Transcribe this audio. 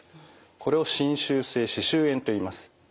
これを侵襲性歯周炎といいます。